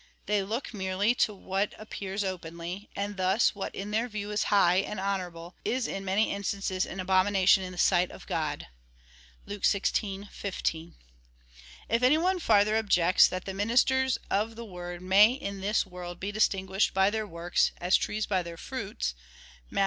They look merely to what appears openly ; and thus what in their view is high and honourable, is in many instances an abomination in the sight of God. (Luke xvi. 15.) If any one farther objects, that the ministers of the word may in this world be distinguished by their works, as trees by their fruits, (Matt.